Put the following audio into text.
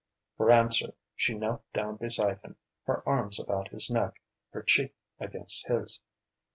For answer, she knelt down beside him, her arms about his neck, her cheek against his.